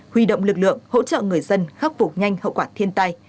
huy động lực lượng hỗ trợ người dân khắc phục nhanh hậu quả thiên tai